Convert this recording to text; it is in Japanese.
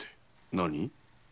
何？